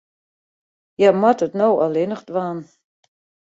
Hja moat it no allinnich dwaan.